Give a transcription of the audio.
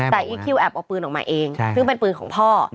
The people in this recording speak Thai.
แต่อีคิวแอบเอาปืนออกมาเองซึ่งเป็นปืนของพ่อ